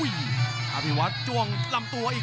และอัพพิวัตรสอสมนึก